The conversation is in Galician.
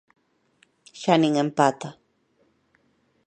Xa nin empata.